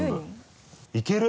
いける？